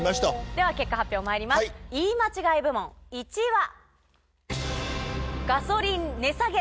では結果発表まいります言い間違い部門１位は。